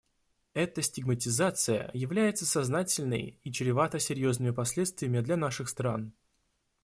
Эта стигматизация является сознательной и чревата серьезными последствиями для наших стран.